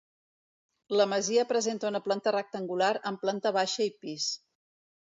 La masia presenta una planta rectangular amb planta baixa i pis.